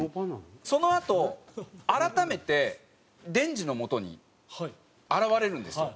そのあと改めてデンジの元に現れるんですよ